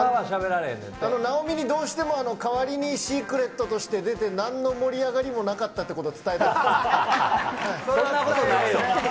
直美にどうしても代わりにシークレットとして出て、なんの盛り上がりもなかったってこと、伝えたくて。